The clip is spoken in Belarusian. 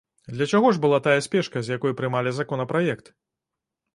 Для чаго ж была тая спешка, з якой прымалі законапраект?